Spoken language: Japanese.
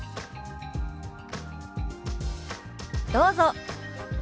どうぞ。